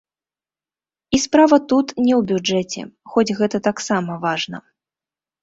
І справа тут не ў бюджэце, хоць гэта таксама важна.